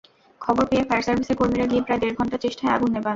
খবর পেয়ে ফায়ার সার্ভিসের কর্মীরা গিয়ে প্রায় দেড় ঘণ্টার চেষ্টায় আগুন নেভান।